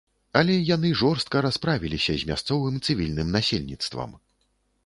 Але яны жорстка расправіліся з мясцовым цывільным насельніцтвам.